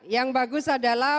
yang bagus adalah